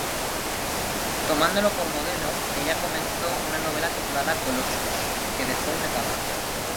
Tomándolo por modelo, ella comenzó una novela titulada "Colossus", que dejó inacabada.